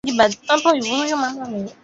wakaweza kununua wachezaji wazuri